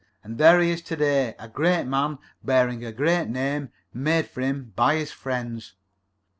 And there he is to day a great man, bearing a great name, made for him by his friends.